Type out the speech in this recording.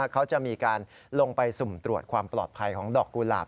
เขาจะมีการลงไปสุ่มตรวจความปลอดภัยของดอกกุหลาบ